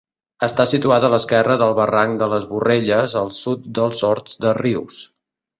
Està situada a l'esquerra del barranc de les Borrelles, al sud dels Horts de Rius.